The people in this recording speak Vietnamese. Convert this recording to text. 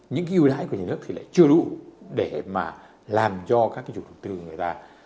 những ưu đãi của nhà nước thì lại chưa đủ để mà làm cho các chủ đầu tư người ta